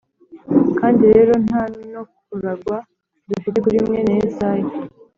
Kandi rero nta no kuragwa dufite kuri mwene Yesayi